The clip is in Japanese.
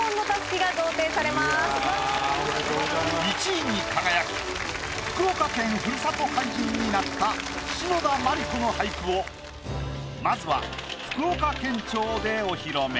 １位に輝き福岡県ふるさと俳人になった篠田麻里子の俳句をまずは福岡県庁でお披露目。